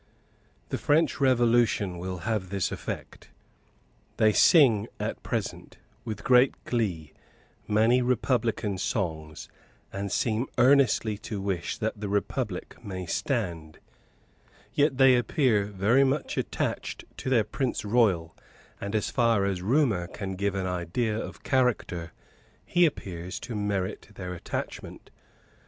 The French Revolution will have this effect. They sing, at present, with great glee, many Republican songs, and seem earnestly to wish that the republic may stand; yet they appear very much attached to their Prince Royal, and, as far as rumour can give an idea of a character, he appears to merit their attachment.